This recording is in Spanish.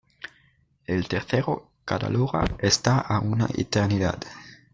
El tercero, Cadalora, está a una eternidad.